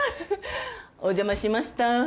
お邪魔しました。